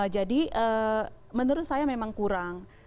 jadi menurut saya memang kurang